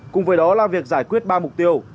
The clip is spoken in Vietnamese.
cùng với đó là việc giải quyết ba mục tiêu